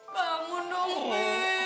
bangun dong bi